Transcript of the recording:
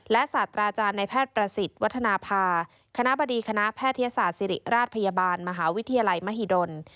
และศาสตราจารย์ในแพทย์ประสิทธิ์วัฒนภาคณะบดีคณะแพทยศาสตร์ศิริราชพยาบาลมหาวิทยาลัยมหิดล